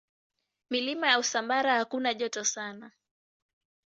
Milima ya Usambara hakuna joto sana.